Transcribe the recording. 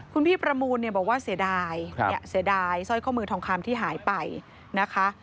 คุณพี่ประมูลบอกว่าเสียดายเสียดายสร้อยข้อมือทองคำที่หายไปนะคะ